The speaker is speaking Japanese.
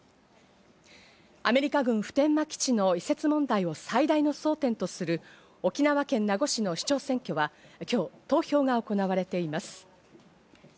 アメリカ軍普天間基地の移設問題を最大の争点とする、沖縄県名護市の市長選挙は、今日、投票が行われています。